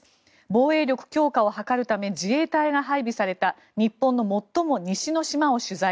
防衛力強化を図るため自衛隊が配備された日本の最も西の島を取材。